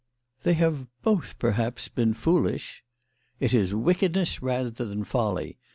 "They have both, perhaps, been foolish." "It is wickedness rather than folly.